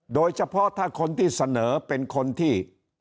โดยเฉพาะถ้าคนที่เสนอเป็นคนที่